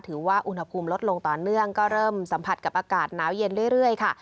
ถือว่าอุณหภูมิลดลงต่อเนื่องก็เริ่มสัมผัสกับอากาศหนาวเย็นเรื่อยค่ะ